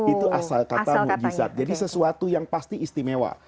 itu asal kata mukjizat jadi sesuatu yang pasti istimewa